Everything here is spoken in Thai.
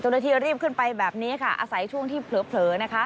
รีบขึ้นไปแบบนี้ค่ะอาศัยช่วงที่เผลอนะคะ